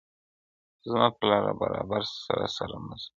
زما پر لاره برابر راسره مه ځه!!